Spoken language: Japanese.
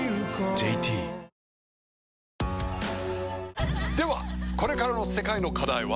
ＪＴではこれからの世界の課題は？